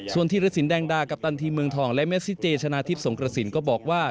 ส่วนธีรสินแดงดากัปตันทีมเมืองทองและเมซิเจชนะทิพย์สงกระสินก็บอกว่า